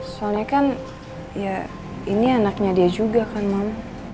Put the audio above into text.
soalnya kan ya ini anaknya dia juga kan mama